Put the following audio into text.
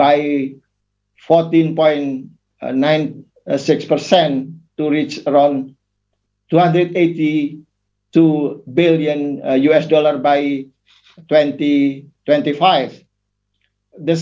untuk mencapai sekitar dua ratus delapan puluh dua juta usd pada tahun dua ribu dua puluh lima